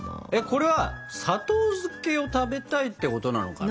これは砂糖漬けを食べたいってことなのかな？